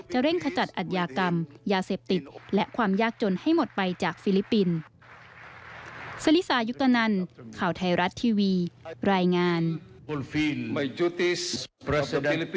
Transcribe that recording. เร่งขจัดอัธยากรรมยาเสพติดและความยากจนให้หมดไปจากฟิลิปปินส์